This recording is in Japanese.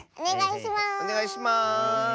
おねがいします！